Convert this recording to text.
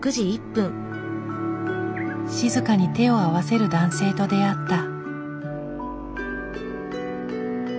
静かに手を合わせる男性と出会った。